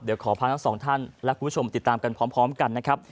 เดี๋ยวขอพาทั้งสองท่านและคุณผู้ชมติดตามกันพร้อมกันนะครับ